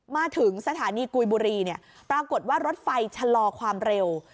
มาถึงสถานีกุยบุรีปรากฏว่ารถไฟชะลอความเร็ว